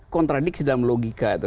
kontradiksi dalam logika itu